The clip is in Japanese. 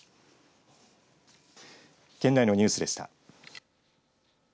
県内のニュースでした。